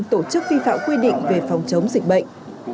tổ chức vi phạm quy định về phòng chống dịch bệnh